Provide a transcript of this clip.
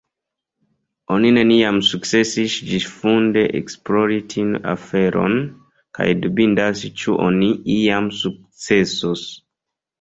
Oni neniam sukcesis ĝisfunde esplori tiun aferon, kaj dubindas ĉu oni iam sukcesos.